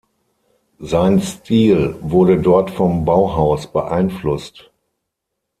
Sein Stil wurde dort vom Bauhaus beeinflusst.